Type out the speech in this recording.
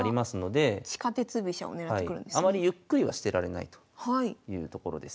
居飛車があまりゆっくりはしてられないというところです。